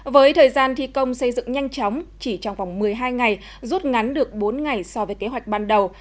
với thời gian thi công xây dựng nhanh chóng chỉ trong vòng một mươi hai ngày rút ngắn được bốn ngày so với kế hoạch ban đầu